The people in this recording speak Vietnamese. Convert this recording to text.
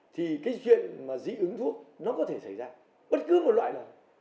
thì cái chuyện mà dị ứng thuốc nó có thể xảy ra bất cứ một loại nào